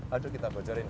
aduh kita bocorin ya